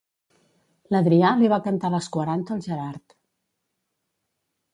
L'Adrià li va cantar les quaranta al Gerard.